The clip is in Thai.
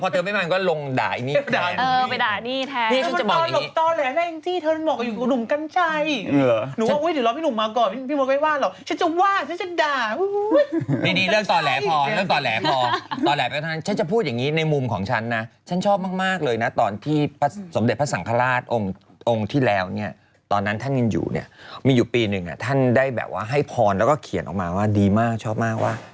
ถ้าแต่งงานชีวิตต้องเปลี่ยนไปไม